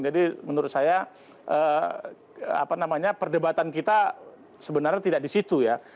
jadi menurut saya apa namanya perdebatan kita sebenarnya tidak di situ ya